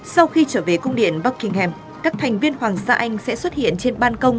sau khi trở về cung điện buckingham các thành viên hoàng gia anh sẽ xuất hiện trên ban công